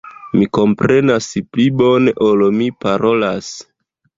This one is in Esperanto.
Mi komprenas pli bone ol mi parolas.